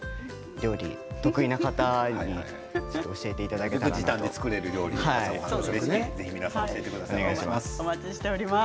料理が得意な方、ぜひ教えていただけたらと思います。